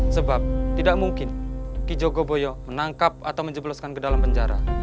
sebab tidak mungkin kijogoboyo menangkap atau menjebloskan ke dalam penjara